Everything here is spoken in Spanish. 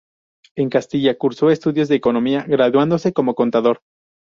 En Castilla cursó estudios de economía, graduándose como "contador".